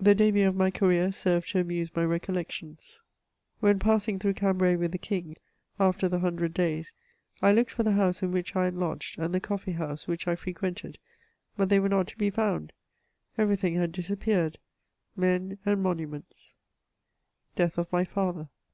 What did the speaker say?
The debtU of my career served to amuse my recollections. CHATEAUBRIAND. 1 5 9 When passing through Cambraj mth the King, after the hundred days, I looked for the house in which I had lodged^ and the coffee house which I frequented, hut thej were not to be found ; every thing had disappeared — men and monu ments. DAATH OF MY FATHER.